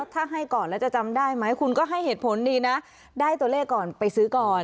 ถ้าให้ก่อนแล้วจะจำได้ไหมคุณก็ให้เหตุผลดีนะได้ตัวเลขก่อนไปซื้อก่อน